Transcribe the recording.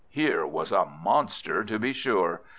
Here was a monster, to be sure!